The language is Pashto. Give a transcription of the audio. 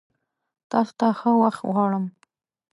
تاسو ته ښه وخت غوړم!